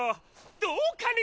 どうかね？